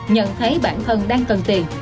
nhận thấy bản thân đang cần tiền